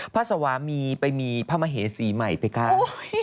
สวามีไปมีพระมเหสีใหม่ไปก้าว